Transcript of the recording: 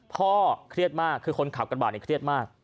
พ่อเครียดมากคือคนขับกระบาดในเครียดมาก